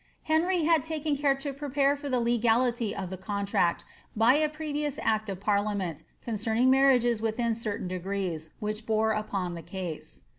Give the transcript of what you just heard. Henry had taken care to prepare for the legality of the con tract by a previous act of parliament concerning marriages within certaio degrees, which bore upon the case.'